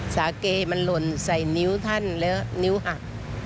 สาเกมันหล่นใส่นิ้วท่านแล้วนิ้วหัก